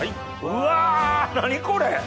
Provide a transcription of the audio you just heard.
うわ何これ！